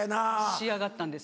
仕上がったんです。